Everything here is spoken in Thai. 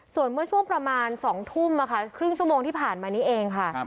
ส่วนเมื่อช่วงประมาณ๒ทุ่มครึ่งชั่วโมงที่ผ่านมานี้เองค่ะ